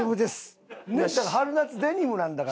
春夏デニムなんだから。